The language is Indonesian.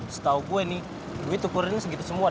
setau gue nih gue tukerin segitu semua deh